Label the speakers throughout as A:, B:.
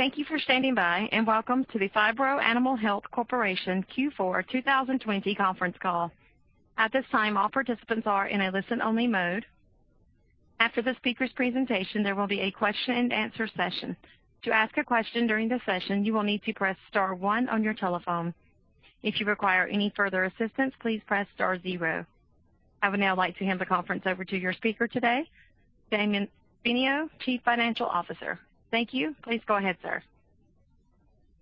A: Thank you for standing by, and welcome to the Phibro Animal Health Corporation Q4 2021 conference call. At this time, all participants are in a listen-only mode. After the speaker's presentation, there will be a question and answer session. To ask a question during the session, you will need to press star one on your telephone. If you require any further assistance, please press star zero. I would now like to hand the conference over to your speaker today, Damian Finio, Chief Financial Officer. Thank you. Please go ahead, sir.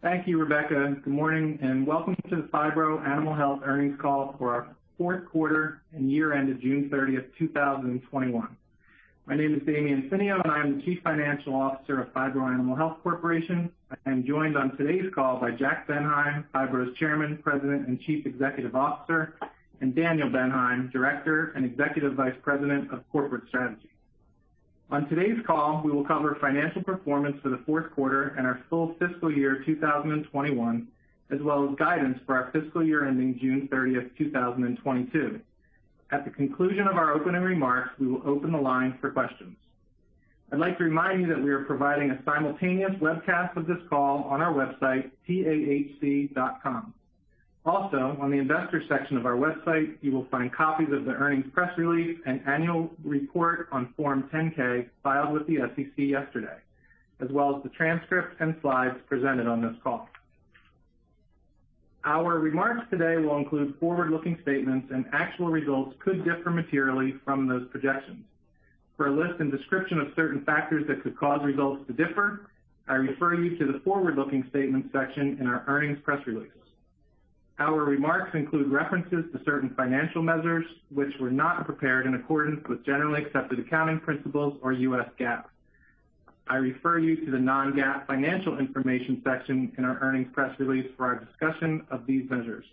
B: Thank you, Rebecca. Good morning and welcome to the Phibro Animal Health earnings call for our fourth quarter and year ended June 30th, 2021. My name is Damian Finio, and I am the Chief Financial Officer of Phibro Animal Health Corporation. I am joined on today's call by Jack Bendheim, Phibro's Chairman, President and Chief Executive Officer, and Daniel Bendheim, Director and Executive Vice President of Corporate Strategy. On today's call, we will cover financial performance for the fourth quarter and our full fiscal year 2021, as well as guidance for our fiscal year ending June 30th, 2022. At the conclusion of our opening remarks, we will open the line for questions. I'd like to remind you that we are providing a simultaneous webcast of this call on our website, pahc.com. On the investor section of our website, you will find copies of the earnings press release and annual report on Form 10-K filed with the SEC yesterday, as well as the transcripts and slides presented on this call. Our remarks today will include forward-looking statements, and actual results could differ materially from those projections. For a list and description of certain factors that could cause results to differ, I refer you to the forward-looking statements section in our earnings press release. Our remarks include references to certain financial measures which were not prepared in accordance with generally accepted accounting principles or U.S. GAAP. I refer you to the non-GAAP financial information section in our earnings press release for our discussion of these measures.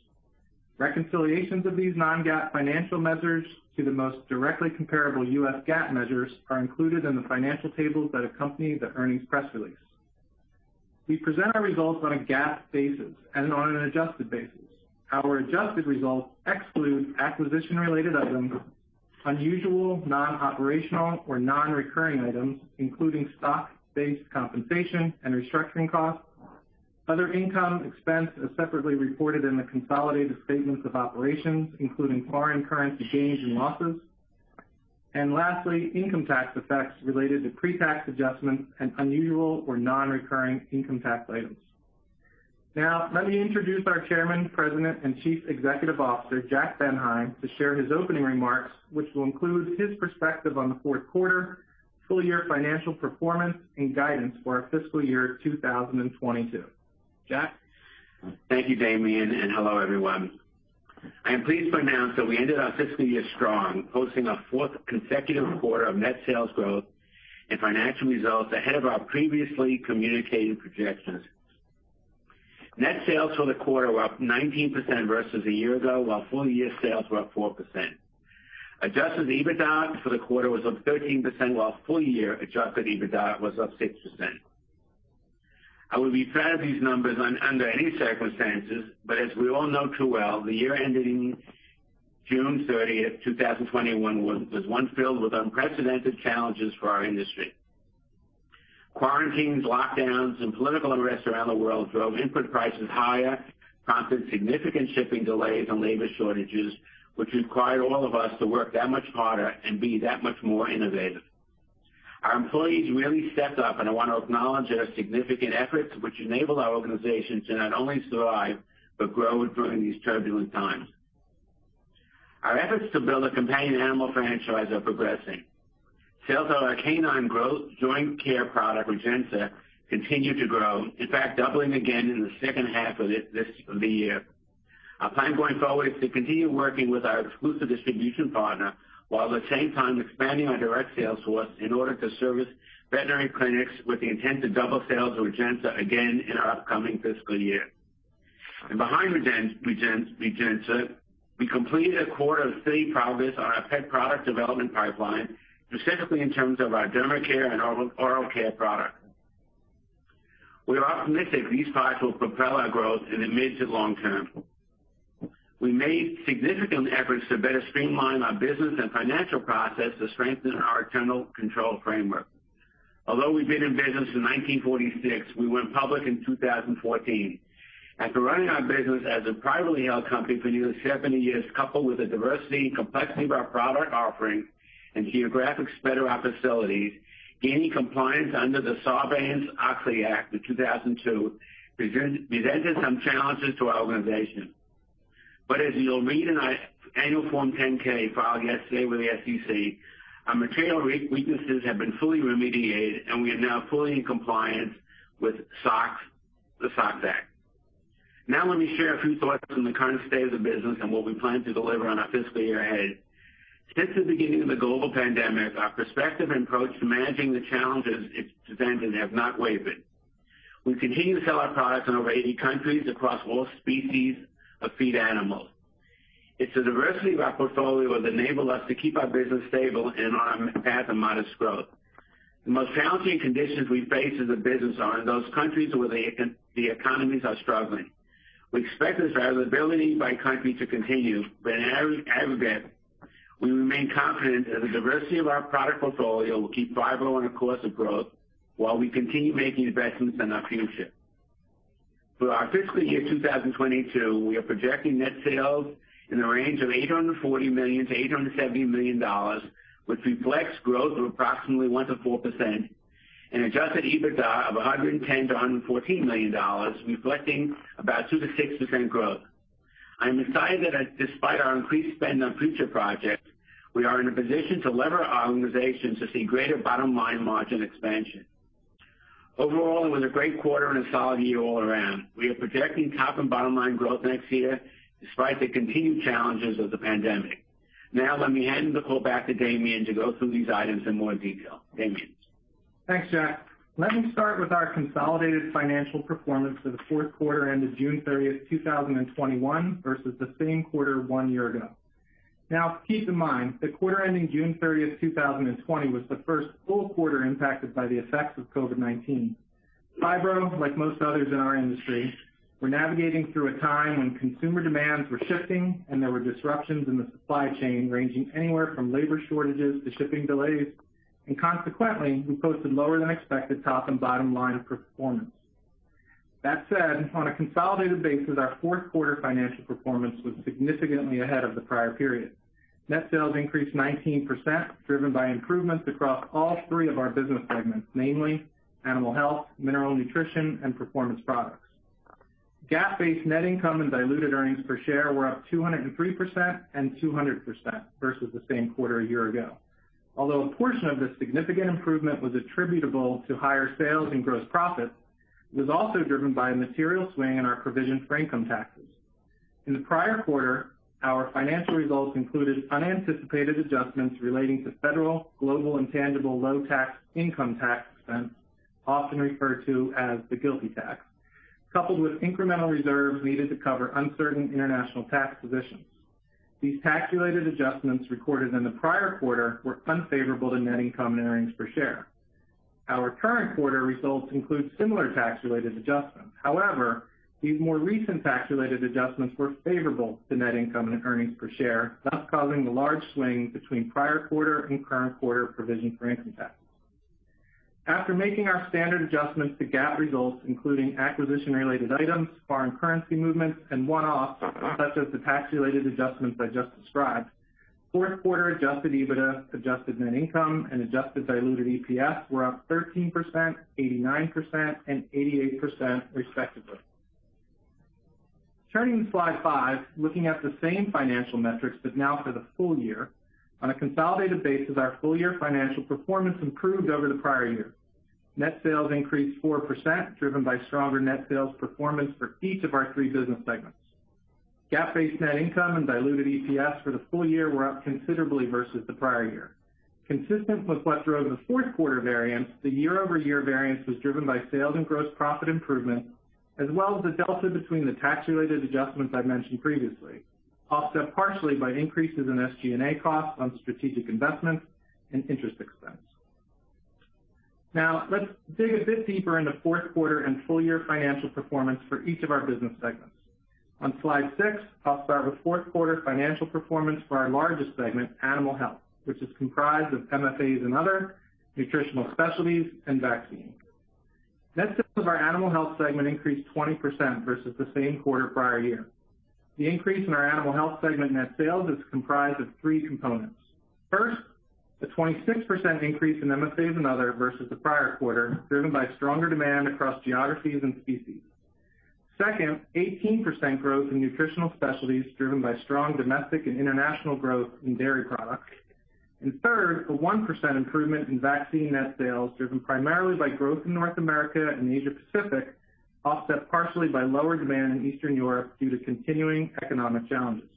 B: Reconciliations of these non-GAAP financial measures to the most directly comparable U.S. GAAP measures are included in the financial tables that accompany the earnings press release. We present our results on a GAAP basis and on an adjusted basis. Our adjusted results exclude acquisition-related items, unusual non-operational or non-recurring items, including stock-based compensation and restructuring costs, other income expense as separately reported in the consolidated statements of operations, including foreign currency gains and losses, and lastly, income tax effects related to pre-tax adjustments and unusual or non-recurring income tax items. Now, let me introduce our Chairman, President, and Chief Executive Officer, Jack Bendheim, to share his opening remarks, which will include his perspective on the fourth quarter, full-year financial performance, and guidance for our fiscal year 2022. Jack?
C: Thank you, Damian, and hello everyone. I am pleased to announce that we ended our fiscal year strong, posting a fourth consecutive quarter of net sales growth and financial results ahead of our previously communicated projections. Net sales for the quarter were up 19% versus a year ago, while full-year sales were up 4%. Adjusted EBITDA for the quarter was up 13%, while full-year adjusted EBITDA was up 6%. I would be proud of these numbers under any circumstances, but as we all know too well, the year ending June 30th, 2021, was one filled with unprecedented challenges for our industry. Quarantines, lockdowns, and political unrest around the world drove input prices higher, prompted significant shipping delays and labor shortages, which required all of us to work that much harder and be that much more innovative. Our employees really stepped up, and I want to acknowledge their significant efforts, which enabled our organization to not only survive but grow during these turbulent times. Our efforts to build a companion animal franchise are progressing. Sales of our canine growth joint care product, Rejensa, continued to grow, in fact, doubling again in the second half of the year. Our plan going forward is to continue working with our exclusive distribution partner while at the same time expanding our direct sales force in order to service veterinary clinics with the intent to double sales of Rejensa again in our upcoming fiscal year. Behind Rejensa, we completed a quarter of steady progress on our pet product development pipeline, specifically in terms of our dermacare and oral care products. We are optimistic these products will propel our growth in the mid to long term. We made significant efforts to better streamline our business and financial process to strengthen our internal control framework. Although we've been in business since 1946, we went public in 2014. After running our business as a privately held company for nearly 70 years, coupled with the diversity and complexity of our product offerings and geographic spread of our facilities, gaining compliance under the Sarbanes-Oxley Act of 2002 presented some challenges to our organization. As you'll read in our annual Form 10-K filed yesterday with the SEC, our material weaknesses have been fully remediated, and we are now fully in compliance with the SOX Act. Let me share a few thoughts on the current state of the business and what we plan to deliver on our fiscal year ahead. Since the beginning of the global pandemic, our perspective and approach to managing the challenges it presented have not wavered. We continue to sell our products in over 80 countries across all species of feed animals. It's the diversity of our portfolio that enabled us to keep our business stable and on a path of modest growth. The most challenging conditions we face as a business are in those countries where the economies are struggling. We expect this variability by country to continue, but in aggregate, we remain confident that the diversity of our product portfolio will keep Phibro on a course of growth while we continue making investments in our future. For our fiscal year 2022, we are projecting net sales in the range of $840 million-$870 million, which reflects growth of approximately 1%-4%, an adjusted EBITDA of $110 million-$114 million, reflecting about 2%-6% growth. I'm excited that despite our increased spend on future projects, we are in a position to lever our organization to see greater bottom-line margin expansion. Overall, it was a great quarter and a solid year all around. We are projecting top and bottom-line growth next year despite the continued challenges of the pandemic. Let me hand the call back to Damian to go through these items in more detail. Damian.
B: Thanks, Jack. Let me start with our consolidated financial performance for the fourth quarter ended June 30th, 2021 versus the same quarter one year ago. Keep in mind, the quarter ending June 30th, 2020 was the first full quarter impacted by the effects of COVID-19. Phibro, like most others in our industry, were navigating through a time when consumer demands were shifting and there were disruptions in the supply chain, ranging anywhere from labor shortages to shipping delays, and consequently, we posted lower than expected top and bottom-line performance. That said, on a consolidated basis, our fourth quarter financial performance was significantly ahead of the prior period. Net sales increased 19%, driven by improvements across all three of our business segments, namely Animal Health, Mineral Nutrition, and Performance Products. GAAP-based net income and diluted earnings per share were up 203% and 200% versus the same quarter one year ago. Although a portion of this significant improvement was attributable to higher sales and gross profit, it was also driven by a material swing in our provision for income taxes. In the prior quarter, our financial results included unanticipated adjustments relating to federal Global Intangible Low-Taxed Income tax expense, often referred to as the GILTI tax, coupled with incremental reserves needed to cover uncertain international tax positions. These tax-related adjustments recorded in the prior quarter were unfavorable to net income and earnings per share. Our current quarter results include similar tax-related adjustments. However, these more recent tax-related adjustments were favorable to net income and earnings per share, thus causing the large swing between prior quarter and current quarter provision for income tax. After making our standard adjustments to GAAP results, including acquisition-related items, foreign currency movements, and one-offs, such as the tax-related adjustments I just described, fourth quarter adjusted EBITDA, adjusted net income, and adjusted diluted EPS were up 13%, 89%, and 88% respectively. Turning to slide five, looking at the same financial metrics, but now for the full year. On a consolidated basis, our full-year financial performance improved over the prior year. Net sales increased 4%, driven by stronger net sales performance for each of our three business segments. GAAP-based net income and diluted EPS for the full year were up considerably versus the prior year. Consistent with what drove the fourth quarter variance, the year-over-year variance was driven by sales and gross profit improvements, as well as the delta between the tax-related adjustments I mentioned previously, offset partially by increases in SG&A costs on strategic investments and interest expense. Now, let's dig a bit deeper into fourth quarter and full-year financial performance for each of our business segments. On slide six, I'll start with fourth quarter financial performance for our largest segment, Animal Health, which is comprised of MFAs and Other, Nutritional Specialties, and Vaccines. Net sales of our Animal Health segment increased 20% versus the same quarter prior year. The increase in our Animal Health segment net sales is comprised of three components. First, a 26% increase in MFAs and Other versus the prior quarter, driven by stronger demand across geographies and species. Second, 18% growth in Nutritional Specialties, driven by strong domestic and international growth in dairy products. Third, a 1% improvement in Vaccine net sales, driven primarily by growth in North America and Asia Pacific, offset partially by lower demand in Eastern Europe due to continuing economic challenges.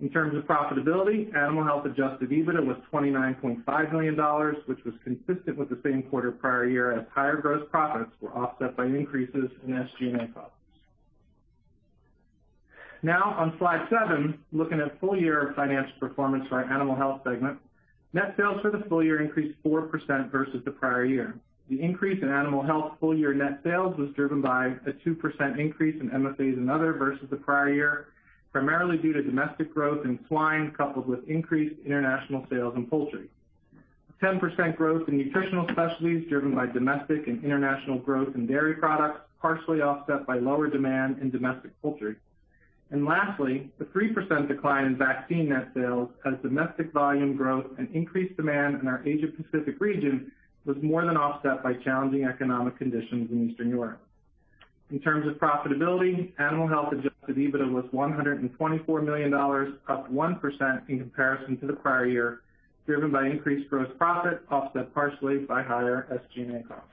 B: In terms of profitability, Animal Health adjusted EBITDA was $29.5 million, which was consistent with the same quarter prior year as higher gross profits were offset by increases in SG&A costs. Now on slide seven looking at full-year financial performance for our Animal Health segment. Net sales for the full-year increased 4% versus the prior year. The increase in Animal Health full-year net sales was driven by a 2% increase in MFAs and Other versus the prior year, primarily due to domestic growth in swine, coupled with increased international sales in poultry, a 10% growth in Nutritional Specialties driven by domestic and international growth in dairy products, partially offset by lower demand in domestic poultry. Lastly, a 3% decline in Vaccine net sales as domestic volume growth and increased demand in our Asia Pacific region was more than offset by challenging economic conditions in Eastern Europe. In terms of profitability, Animal Health adjusted EBITDA was $124 million, up 1% in comparison to the prior year, driven by increased gross profit, offset partially by higher SG&A costs.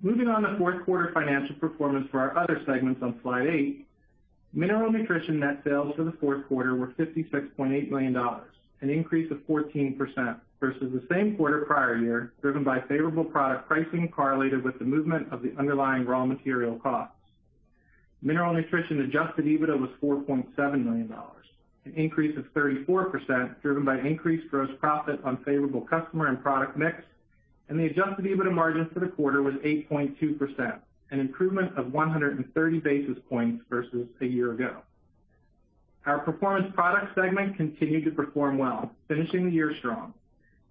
B: Moving on to fourth quarter financial performance for our other segments on slide eight. Mineral Nutrition net sales for the fourth quarter were $56.8 million, an increase of 14% versus the same quarter prior year, driven by favorable product pricing correlated with the movement of the underlying raw material costs. Mineral Nutrition adjusted EBITDA was $4.7 million, an increase of 34%, driven by increased gross profit on favorable customer and product mix, and the adjusted EBITDA margin for the quarter was 8.2%, an improvement of 130 basis points versus a year ago. Our Performance Products segment continued to perform well, finishing the year strong.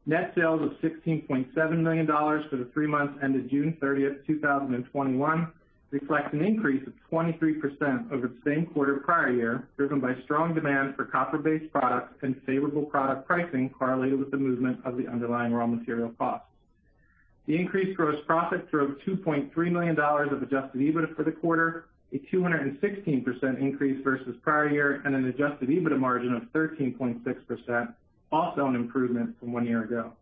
B: Net sales of $16.7 million for the three months ended June 30th, 2021, reflect an increase of 23% over the same quarter prior year, driven by strong demand for copper-based products and favorable product pricing correlated with the movement of the underlying raw material costs. The increased gross profit drove $2.3 million of adjusted EBITDA for the quarter, a 216% increase versus prior year, and an adjusted EBITDA margin of 13.6%, also an improvement from one year ago.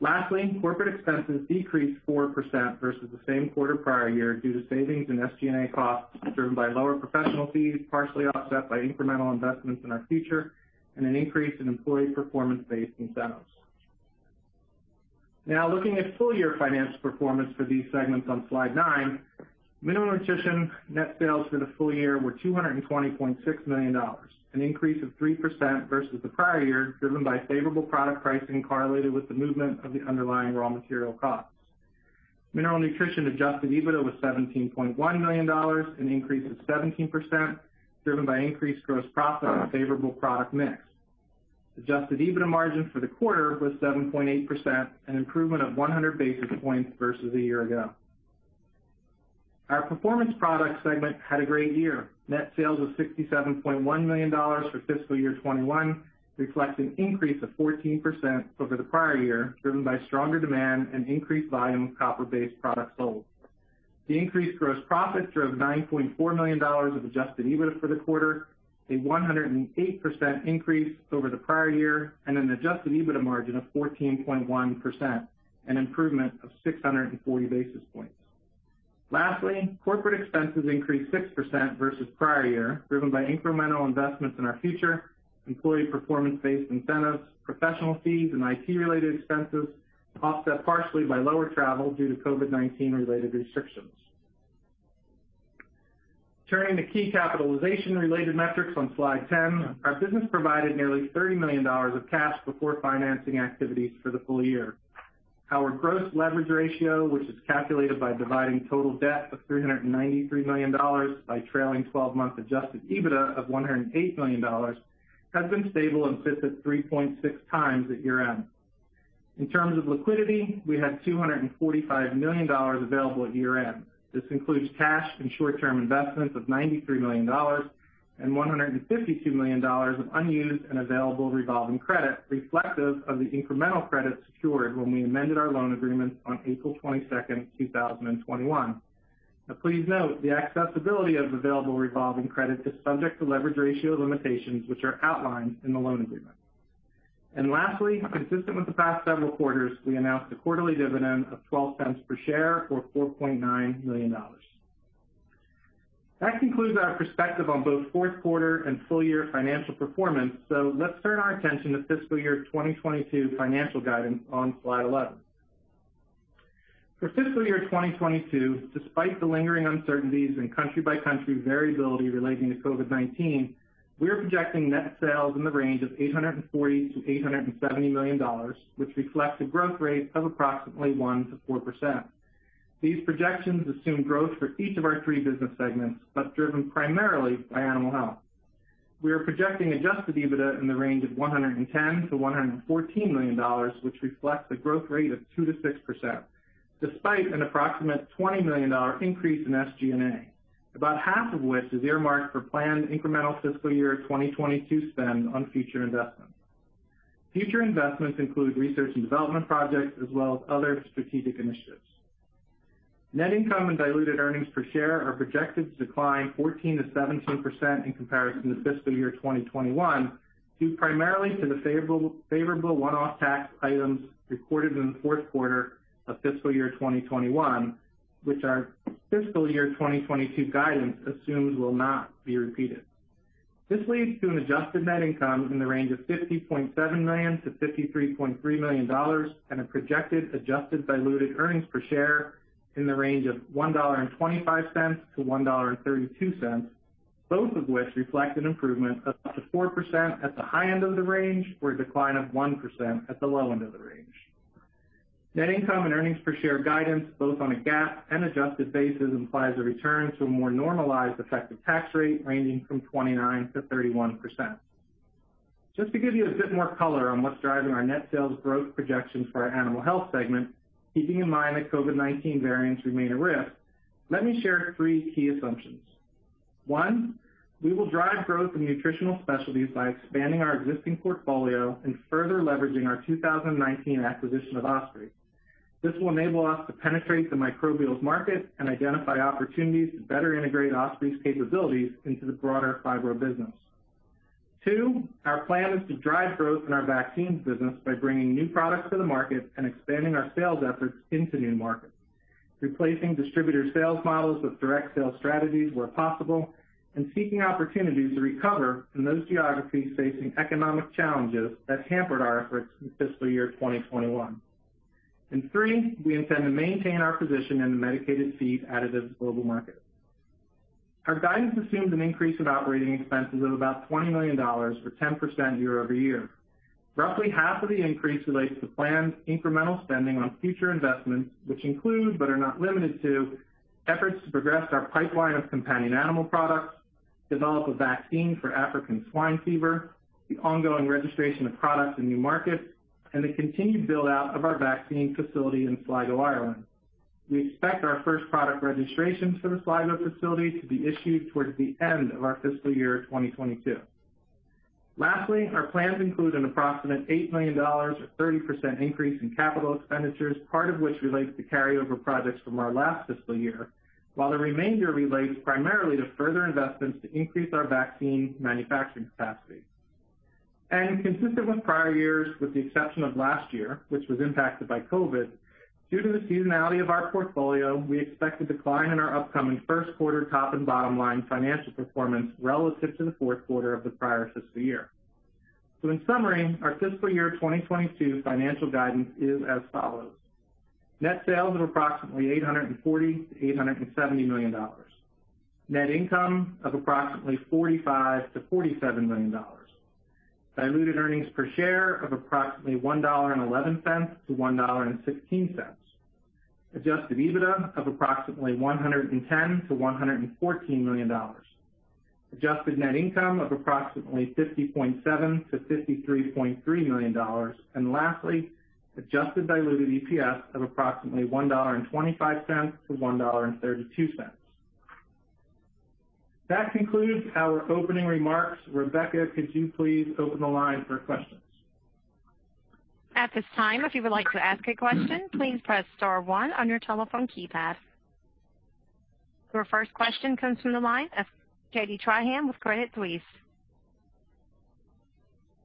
B: Lastly, corporate expenses decreased 4% versus the same quarter prior year due to savings in SG&A costs driven by lower professional fees, partially offset by incremental investments in our future and an increase in employee performance-based incentives. Now looking at full-year financial performance for these segments on slide nine, Mineral Nutrition net sales for the full year were $220.6 million, an increase of 3% versus the prior year, driven by favorable product pricing correlated with the movement of the underlying raw material costs. Mineral Nutrition adjusted EBITDA was $17.1 million, an increase of 17%, driven by increased gross profit and favorable product mix. Adjusted EBITDA margin for the quarter was 7.8%, an improvement of 100 basis points versus a year ago. Our Performance Products segment had a great year. Net sales was $67.1 million for fiscal year 2021, reflects an increase of 14% over the prior year, driven by stronger demand and increased volume of copper-based products sold. The increased gross profit drove $9.4 million of adjusted EBITDA for the quarter, a 108% increase over the prior year, and an adjusted EBITDA margin of 14.1%, an improvement of 640 basis points. Lastly, corporate expenses increased 6% versus prior year, driven by incremental investments in our future employee performance-based incentives, professional fees, and IT-related expenses, offset partially by lower travel due to COVID-19 related restrictions. Turning to key capitalization-related metrics on slide 10, our business provided nearly $30 million of cash before financing activities for the full year. Our gross leverage ratio, which is calculated by dividing total debt of $393 million by trailing 12-month adjusted EBITDA of $108 million, has been stable and sits at 3.6 times at year-end. In terms of liquidity, we had $245 million available at year-end. This includes cash and short-term investments of $93 million and $152 million of unused and available revolving credit reflective of the incremental credit secured when we amended our loan agreements on April 22nd, 2021. Please note the accessibility of available revolving credit is subject to leverage ratio limitations which are outlined in the loan agreement. Lastly, consistent with the past several quarters, we announced a quarterly dividend of $0.12 per share or $4.9 million. That concludes our perspective on both fourth quarter and full-year financial performance. Let's turn our attention to fiscal year 2022 financial guidance on slide 11. For fiscal year 2022, despite the lingering uncertainties and country-by-country variability relating to COVID-19, we are projecting net sales in the range of $840 million-$870 million, which reflects a growth rate of approximately 1%-4%. These projections assume growth for each of our three business segments, driven primarily by Animal Health. We are projecting adjusted EBITDA in the range of $110 million-$114 million, which reflects a growth rate of 2%-6%, despite an approximate $20 million increase in SG&A, about half of which is earmarked for planned incremental fiscal year 2022 spend on future investments. Future investments include research and development projects as well as other strategic initiatives. Net income and diluted earnings per share are projected to decline 14%-17% in comparison to fiscal year 2021, due primarily to the favorable one-off tax items recorded in the fourth quarter of fiscal year 2021, which our fiscal year 2022 guidance assumes will not be repeated. This leads to an adjusted net income in the range of $50.7 million-$53.3 million and a projected adjusted diluted earnings per share in the range of $1.25-$1.32, both of which reflect an improvement of up to 4% at the high end of the range or a decline of 1% at the low end of the range. Net income and earnings per share guidance, both on a GAAP and adjusted basis, implies a return to a more normalized effective tax rate ranging from 29%-31%. Just to give you a bit more color on what's driving our net sales growth projections for our Animal Health segment, keeping in mind that COVID-19 variants remain a risk, let me share three key assumptions. One, we will drive growth in Nutritional Specialties by expanding our existing portfolio and further leveraging our 2019 acquisition of Osprey. This will enable us to penetrate the microbials market and identify opportunities to better integrate Osprey's capabilities into the broader Phibro business. Two, our plan is to drive growth in our Vaccines business by bringing new products to the market and expanding our sales efforts into new markets, replacing distributor sales models with direct sales strategies where possible, and seeking opportunities to recover in those geographies facing economic challenges that hampered our efforts in fiscal year 2021. Three, we intend to maintain our position in the medicated feed additives global market. Our guidance assumes an increase in operating expenses of about $20 million or 10% year-over-year. Roughly half of the increase relates to planned incremental spending on future investments, which include, but are not limited to, efforts to progress our pipeline of companion animal products, develop a vaccine for African swine fever, the ongoing registration of products in new markets, and the continued build-out of our vaccine facility in Sligo, Ireland. We expect our first product registrations for the Sligo facility to be issued towards the end of our fiscal year 2022. Lastly, our plans include an approximate $8 million or 30% increase in capital expenditures, part of which relates to carry-over projects from our last fiscal year, while the remainder relates primarily to further investments to increase our vaccine manufacturing capacity. Consistent with prior years, with the exception of last year, which was impacted by COVID-19, due to the seasonality of our portfolio, we expect a decline in our upcoming first quarter top and bottom line financial performance relative to the fourth quarter of the prior fiscal year. In summary, our FY 2022 financial guidance is as follows. Net sales of approximately $840 million-$870 million. Net income of approximately $45 million-$47 million. Diluted earnings per share of approximately $1.11-$1.16. Adjusted EBITDA of approximately $110 million-$114 million. Adjusted net income of approximately $50.7 million-$53.3 million. Lastly, adjusted diluted EPS of approximately $1.25-$1.32. That concludes our opening remarks. Rebecca, could you please open the line for questions?
A: At this time, if you would like to ask a question, please press star one on your telephone keypad. Your first question comes from the line of Katie Tryhane with Credit Suisse.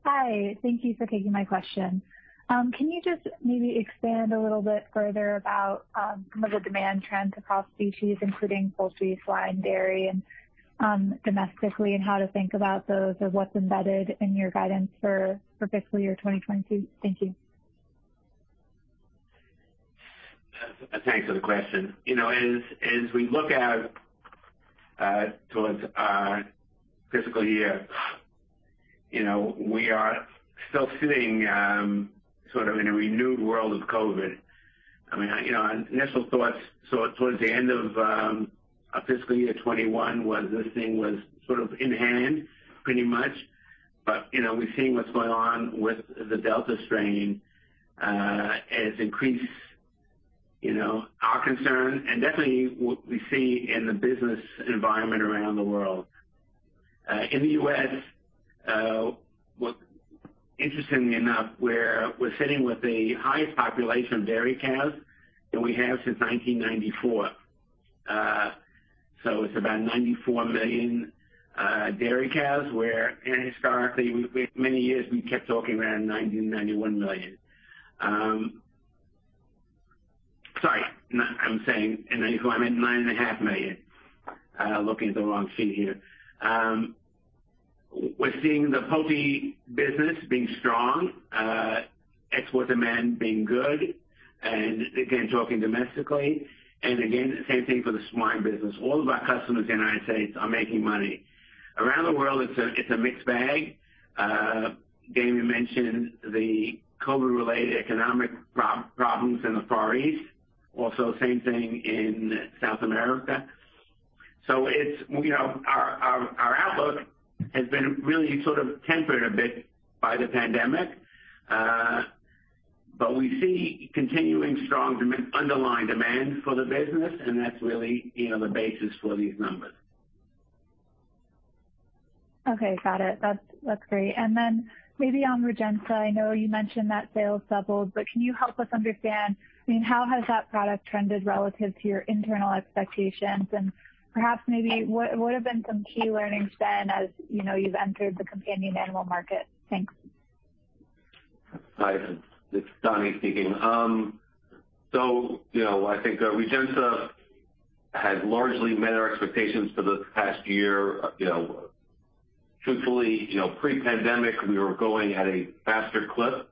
D: Hi. Thank you for taking my question. Can you just maybe expand a little bit further about some of the demand trends across species, including poultry, swine, dairy, and domestically, and how to think about those or what's embedded in your guidance for fiscal year 2022? Thank you.
C: Thanks for the question. As we look out towards our fiscal year, we are still sitting in a renewed world of COVID. Our initial thoughts towards the end of our fiscal year 2021 was this thing was in hand pretty much, but we're seeing what's going on with the Delta variant. It has increased our concern and definitely what we see in the business environment around the world. In the U.S., interestingly enough, we're sitting with the highest population of dairy cows than we have since 1994. It's about 94 million dairy cows, where historically, many years we kept talking around 90 million, 91 million. Sorry, I'm saying 90, I meant nine and a half million. Looking at the wrong sheet here. We're seeing the poultry business being strong, export demand being good, and again, talking domestically, and again, same thing for the swine business. All of our customers in the U.S. are making money. Around the world, it's a mixed bag. Damian mentioned the COVID-related economic problems in the Far East. Same thing in South America. Our outlook has been really tempered a bit by the pandemic. We see continuing strong underlying demand for the business, and that's really the basis for these numbers.
D: Okay. Got it. That's great. Then maybe on Rejensa, I know you mentioned that sales doubled, can you help us understand, how has that product trended relative to your internal expectations? Perhaps maybe what have been some key learnings then, as you've entered the companion animal market? Thanks.
E: Hi, it's Dani speaking. I think Rejensa has largely met our expectations for the past year. Truthfully, pre-pandemic, we were going at a faster clip.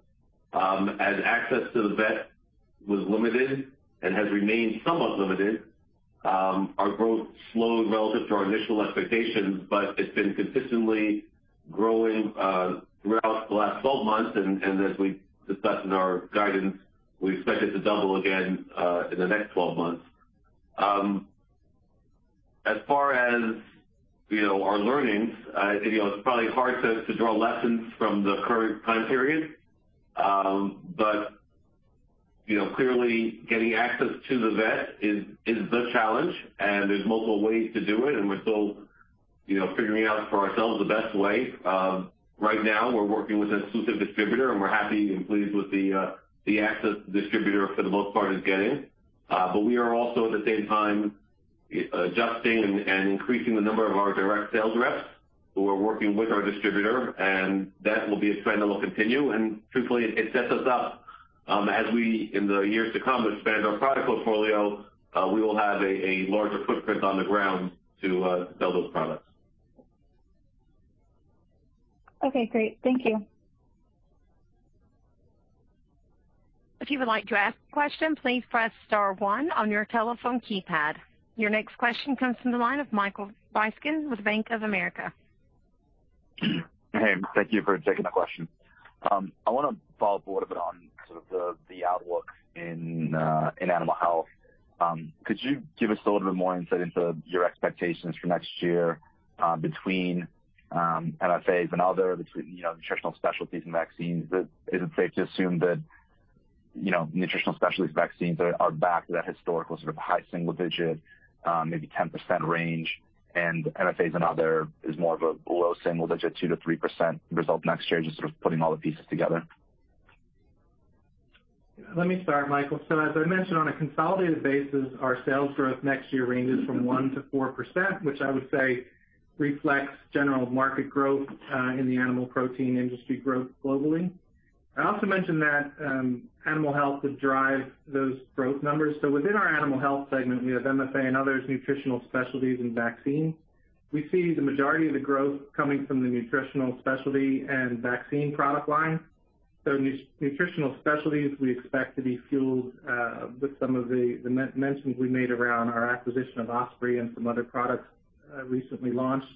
E: As access to the vet was limited and has remained somewhat limited, our growth slowed relative to our initial expectations, but it's been consistently growing throughout the last 12 months, and as we discussed in our guidance, we expect it to double again in the next 12 months. As far as our learnings, it's probably hard to draw lessons from the current time period. Clearly getting access to the vet is the challenge, and there's multiple ways to do it, and we're still figuring out for ourselves the best way. Right now, we're working with an exclusive distributor, and we're happy and pleased with the access the distributor, for the most part, is getting. We are also, at the same time, adjusting and increasing the number of our direct sales reps who are working with our distributor, and that will be a trend that will continue. Truthfully, it sets us up as we, in the years to come, expand our product portfolio. We will have a larger footprint on the ground to sell those products.
D: Okay, great. Thank you.
A: If you would like to ask a question, please press star one on your telephone keypad. Your next question comes from the line of Michael Ryskin with Bank of America.
F: Hey, thank you for taking the question. I want to follow up a little bit on sort of the outlook in Animal Health. Could you give us a little bit more insight into your expectations for next year between MFAs and Other, between Nutritional Specialties and Vaccines? Is it safe to assume that Nutritional Specialties Vaccines are back to that historical sort of high single-digit, maybe 10% range, and MFAs and Other is more of a low single-digit, 2%-3% result next year, just sort of putting all the pieces together?
B: Let me start, Michael. As I mentioned, on a consolidated basis, our sales growth next year ranges from 1%-4%, which I would say reflects general market growth in the animal protein industry growth globally. I also mentioned that Animal Health would drive those growth numbers. Within our Animal Health segment, we have MFA and others, Nutritional Specialties, and Vaccines. We see the majority of the growth coming from the Nutritional Specialty and Vaccine product line. Nutritional Specialties, we expect to be fueled with some of the mentions we made around our acquisition of Osprey and some other products recently launched.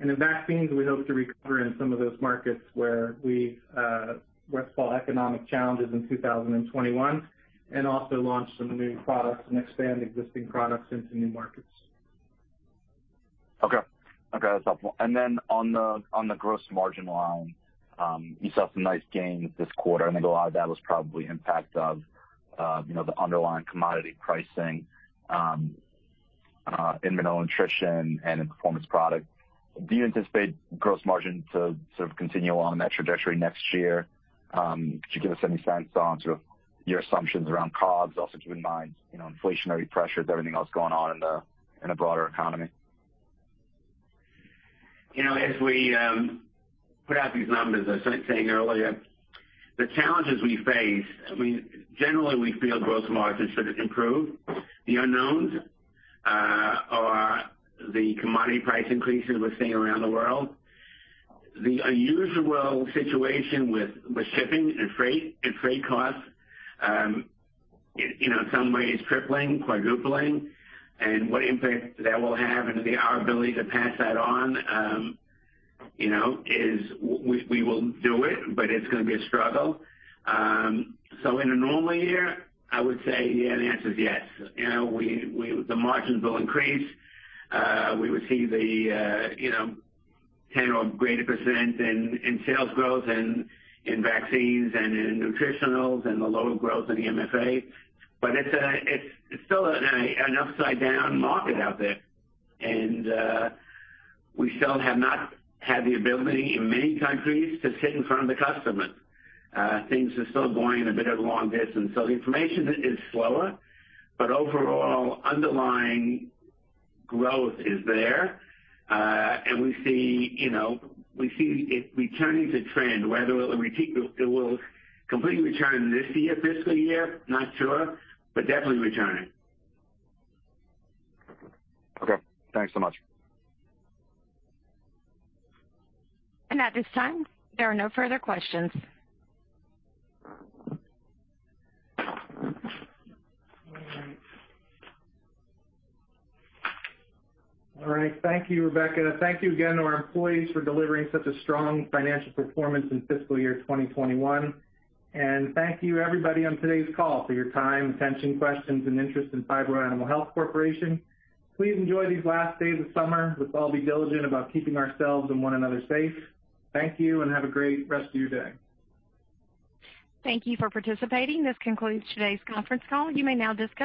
B: In Vaccines, we hope to recover in some of those markets where we saw economic challenges in 2021 and also launch some new products and expand existing products into new markets.
F: Okay. That's helpful. On the gross margin line, you saw some nice gains this quarter, and I think a lot of that was probably impact of the underlying commodity pricing in Mineral Nutrition and in Performance Products. Do you anticipate gross margin to sort of continue along on that trajectory next year? Could you give us any sense on sort of your assumptions around COGS? Keep in mind, inflationary pressures, everything else going on in the broader economy.
C: As we put out these numbers, as I was saying earlier, the challenges we face, generally we feel gross margins should improve. The unknowns are the commodity price increases we're seeing around the world, the unusual situation with shipping and freight costs in some ways tripling, quadrupling, and what impact that will have into our ability to pass that on. We will do it, but it's going to be a struggle. In a normal year, I would say, yeah, the answer's yes. The margins will increase. We would see the 10% or greater in sales growth in Vaccines and in Nutritionals and the lower growth in the MFA. It's still an upside-down market out there, and we still have not had the ability in many countries to sit in front of the customer. Things are still going a bit at a long distance, so the information is slower, but overall, underlying growth is there. We see it returning to trend. Whether it will completely return this fiscal year, not sure, but definitely returning.
F: Okay. Thanks so much.
A: At this time, there are no further questions.
B: All right. Thank you, Rebecca. Thank you again to our employees for delivering such a strong financial performance in fiscal year 2021. Thank you everybody on today's call for your time, attention, questions, and interest in Phibro Animal Health Corporation. Please enjoy these last days of summer. Let's all be diligent about keeping ourselves and one another safe. Thank you and have a great rest of your day.
A: Thank you for participating. This concludes today's conference call. You may now disconnect.